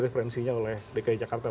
referensinya oleh dki jakarta